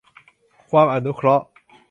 ความอนุเคราะห์